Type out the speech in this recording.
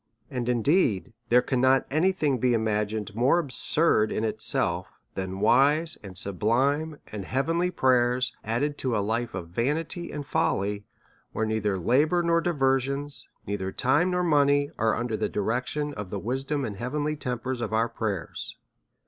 And, indeed, there cannot be any thing imagined more absurd in itself than wise, and sublime, and hea venly prayers, added to a life of vanity and folly, where neither labour nor diversions, neither time nor money, are under the direction of the wisdom and heavenly tempers of our prayers.